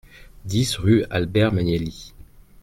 dix rue Albert Magnelli